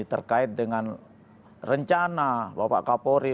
terkait dengan rencana bapak kapolri